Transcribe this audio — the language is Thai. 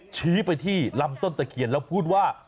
ชี้ไปที่ลำต้นตะเคียนแล้วพูดว่า